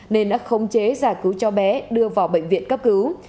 nên đã khống chế giải cứu cháu bé đưa vào bệnh viện cấp cứu